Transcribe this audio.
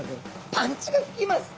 パンチが効きます。